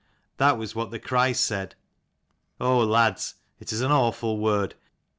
That was what the Christ said. Oh lads, it is an awful word.